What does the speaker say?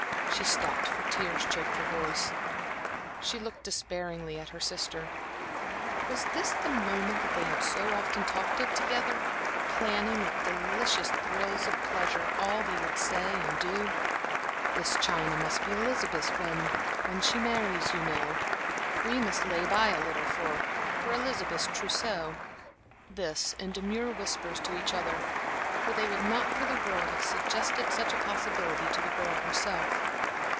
She stopped, for tears choked her voice. She looked despairingly at her sister. Was this the moment that they had so often talked of together, planning with delicious thrills of pleasure all they would say and do? "This china must be Elizabeth's when when she marries, you know." "We must lay by a little for for Elizabeth's trousseau." This in demure whispers to each other, for they would not for the world have suggested such a possibility to the girl herself.